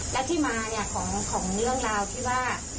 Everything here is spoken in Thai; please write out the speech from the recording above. และที่มาเนี่ยของเรื่องราวที่ว่า